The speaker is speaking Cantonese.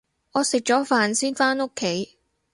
我食咗飯先返屋企